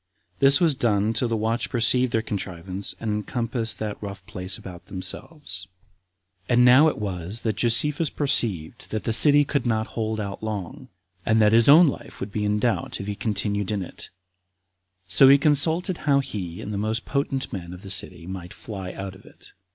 This was done till the watch perceived their contrivance, and encompassed that rough place about themselves. 15. And now it was that Josephus perceived that the city could not hold out long, and that his own life would be in doubt if he continued in it; so he consulted how he and the most potent men of the city might fly out of it.